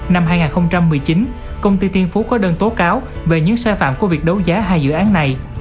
năm hai nghìn một mươi chín công ty tiên phú có đơn tố cáo về những sai phạm của việc đấu giá hai dự án này